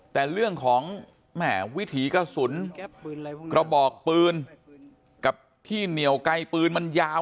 แต่เรื่องของแหมวิถีกระสุนกระบอกปืนกับที่เหนียวไกลปืนมันยาว